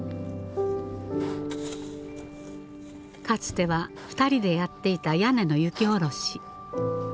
かつては２人でやっていた屋根の雪下ろし。